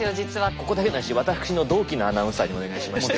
ここだけの話私の同期のアナウンサーにお願いしまして。